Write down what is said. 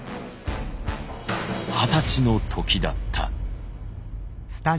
二十歳の時だった。